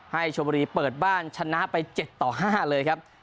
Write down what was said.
ชมบุรีเปิดบ้านชนะไป๗ต่อ๕เลยครับ